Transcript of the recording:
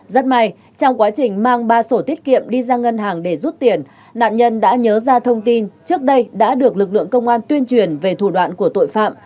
rất may trong quá trình mang ba sổ tiết kiệm đi ra ngân hàng để rút tiền nạn nhân đã nhớ ra thông tin trước đây đã được lực lượng công an tuyên truyền về thủ đoạn của tội phạm